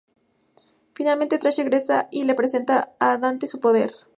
Finalmente Trish regresa y le presta a Dante su poder.